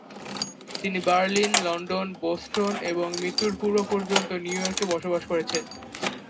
তিনি Berlin, London, Boston এবং মৃত্যুর পূর্ব পর্যন্ত নিউইয়র্কে বসবাস করেছেন।